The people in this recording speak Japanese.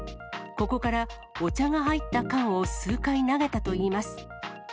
ここからお茶が入った缶を数回投げたといいます。